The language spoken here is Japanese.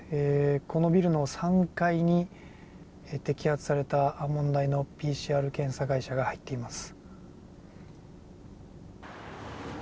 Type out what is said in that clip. このビルの３階に、摘発された問題のＰＣＲ検査会社が入っています。